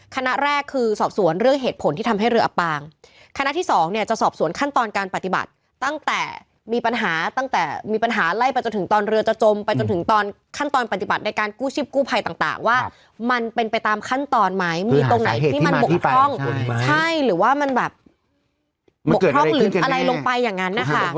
คณะแรกคือสอบสวนเรื่องเหตุผลที่ทำให้เรืออับปางคณะที่สองเนี่ยจะสอบสวนขั้นตอนการปฏิบัติตั้งแต่มีปัญหาตั้งแต่มีปัญหาไล่ไปจนถึงตอนเรือจะจมไปจนถึงตอนขั้นตอนปฏิบัติในการกู้ชีพกู้ภัยต่างว่ามันเป็นไปตามขั้นตอนไหมมีตรงไหนที่มันบกพร่องใช่หรือว่ามันแบบบกพร่องหรืออะไรลงไปอย่างนั้นนะคะ